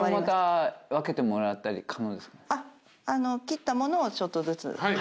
切ったものをちょっとずつ。